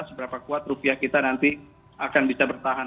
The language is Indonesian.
seberapa kuat rupiah kita nanti akan bisa bertahan